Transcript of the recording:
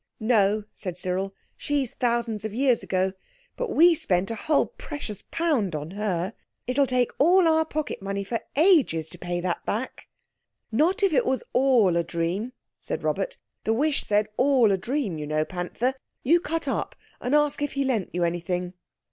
"No," said Cyril. "She's thousands of years ago. But we spent a whole precious pound on her. It'll take all our pocket money for ages to pay that back." "Not if it was all a dream," said Robert. "The wish said all a dream, you know, Panther; you cut up and ask if he lent you anything."